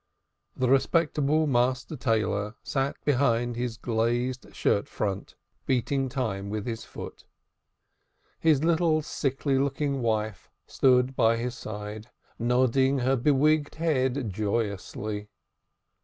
The respectable master tailor sat behind his glazed shirt front beating time with his foot. His little sickly looking wife stood by his side, nodding her bewigged head joyously.